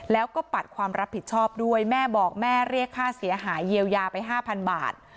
แล้วก็ปัดความรับผิดชอบด้วยแม่บอกแม่เรียกค่าเสียหายเยียวยาไป๕๐๐บาท